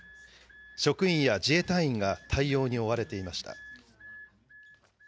職員や自衛隊員が対応に追われていました。